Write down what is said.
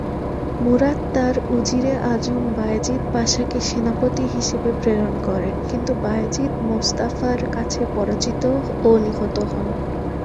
মুরাদ তার উজিরে আজম বায়েজীদ পাশাকে সেনাপতি হিসেবে প্রেরণ করেন কিন্তু বায়েজীদ মুস্তাফার কাছে পরাজিত ও নিহত হন।